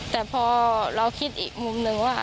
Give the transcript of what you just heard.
แต่พอเราคิดอีกมุมหนึ่งว่า